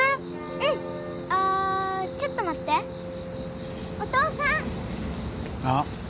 うんっあーちょっと待ってお父さんああ？